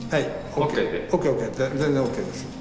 ＯＫＯＫ全然ＯＫです。